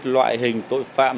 loại hình tội phạm